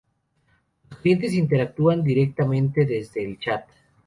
Los clientes interactúan directamente desde el chat.